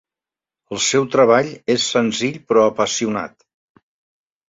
El seu treball és senzill però apassionat.